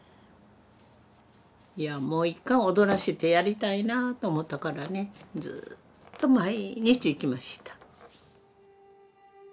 いやもう一回踊らせてやりたいなと思ったからねずっと毎日行きました。